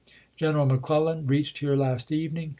General McClellan reached here last evening.